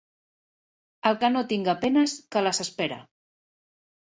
El que no tinga penes, que les espere.